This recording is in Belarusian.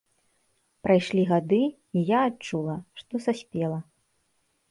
Прайшлі гады, і я адчула, што саспела.